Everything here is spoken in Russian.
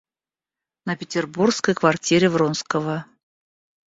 На петербургской квартире Вронского.